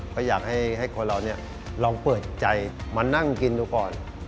ก็อยากให้คนเราลองเปิดใจมานั่งกินดูก่อน